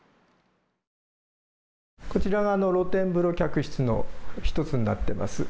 こちらが露天風呂客室の１つになってます。